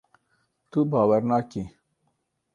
Tu bawer nakî.